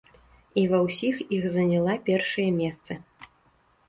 І ва ўсіх іх заняла першыя месцы.